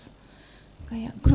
terdengar bunyi pintu dibuka geras